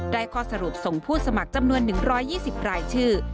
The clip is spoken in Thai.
ข้อสรุปส่งผู้สมัครจำนวน๑๒๐รายชื่อ